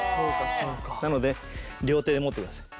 なので両手で持ってください。